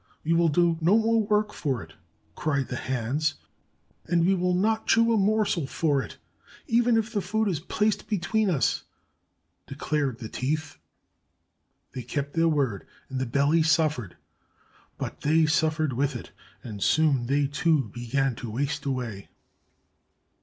'We will do no more work for it,' cried the hands. 'And we will not chew a morsel for it, even if the food is placed between us,' de clared the teeth. They kept their word, and the belly suffered; but they suffered with it, and soon they, too, began to waste away."